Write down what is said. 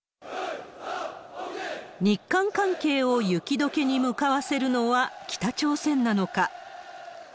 日韓関係を雪どけに向かわせるのは北朝鮮なのか。